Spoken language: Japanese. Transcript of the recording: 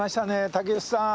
竹内さん！